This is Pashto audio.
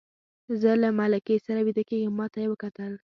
زه له ملکې سره ویده کېږم، ما ته یې وکتل.